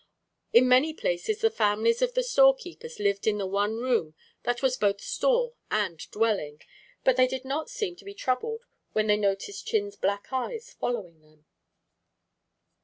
In many places the families of the storekeepers lived in the one room that was both store and dwelling, but they did not seem to be troubled when they noticed Chin's black eyes following them.